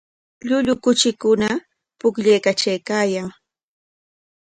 Llullu kuchikuna pukllaykatraykaayan.